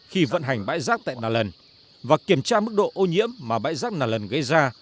khi vận hành bãi rác tại nà lần và kiểm tra mức độ ô nhiễm mà bãi rác nà lần gây ra